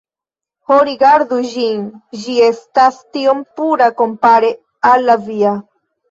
Oh rigardu ĝin ĝi estas tiom pura kompare al la via